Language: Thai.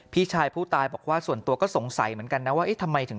พี่ชายผู้ตายบอกว่าส่วนตัวก็สงสัยเหมือนกันนะว่าเอ๊ะทำไมถึง